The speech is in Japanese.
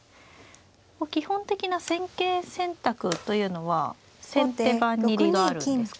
基本的な戦型選択というのは先手番に利があるんですか。